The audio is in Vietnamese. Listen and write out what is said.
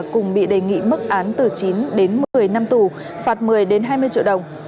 cùng bị đề nghị mức án từ chín một mươi năm tù phạt một mươi hai mươi triệu đồng